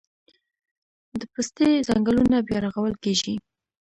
د پستې ځنګلونه بیا رغول کیږي